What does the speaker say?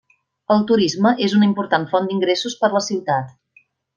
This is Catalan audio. El turisme és una important font d'ingressos per la ciutat.